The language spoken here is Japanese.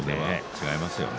違いますよね。